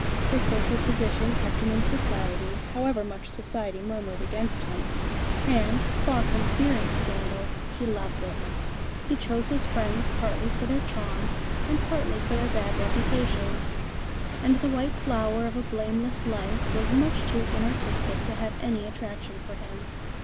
His social position kept him in Society, however much Society murmured against him; and, far from fearing scandal, he loved it. He chose his friends partly for their charm, and partly for their bad reputations; and the white flower of a blameless life was much too inartistic to have any attraction for him.